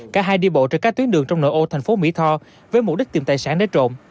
cả hai đi bộ trên các tuyến đường trong nội ô thành phố mỹ tho với mục đích tìm tài sản để trộm